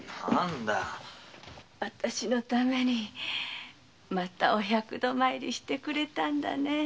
あたしのためにまたお百度参りしてくれたんだね。